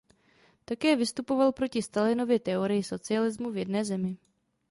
Také vystupoval proti Stalinově teorii socialismu v jedné zemi.